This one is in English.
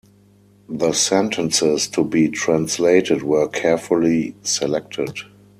The sentences to be translated were carefully selected.